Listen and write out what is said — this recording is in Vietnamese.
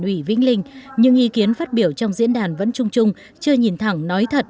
ủy vĩnh linh những ý kiến phát biểu trong diễn đàn vẫn chung chung chưa nhìn thẳng nói thật